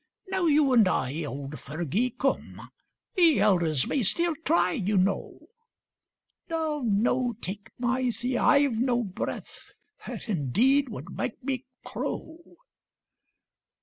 Now you and I, old Fergie, come, We elders may still try, you know, No, no ! take Mysie, I've no breath, That indeed would make me crow